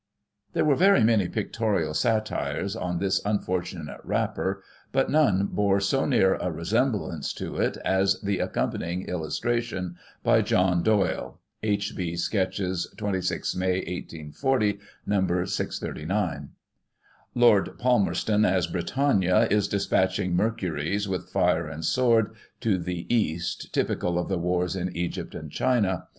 There were very many pictorial satires on this unfortunate wrapper, but none bore so near a resemblance to it as the accompanying illustration by John Doyle (H.B. Sketches, 26 May, 1840, No. 639). Lord Palmerston, as Britannia, is dis patching Mercuries with fire and sword, to the east, typical of the wars in Egypt and China.